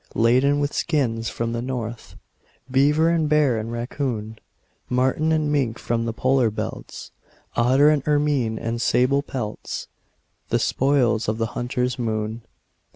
Laden with skins from the north, Beaver and bear and raccoon, Marten and mink from the polar belts, Otter and ermine and sable pelts The spoils of the hunter's moon.